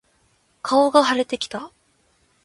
顔が腫れてきた。